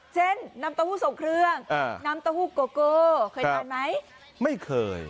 น้ำเต้าหู้ทรงเครื่องน้ำเต้าหู้โกโก้เคยทานไหมไม่เคย